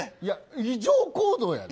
異常行動やで。